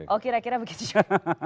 oh kira kira begitu